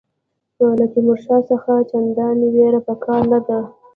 له تیمورشاه څخه چنداني وېره په کار نه ده.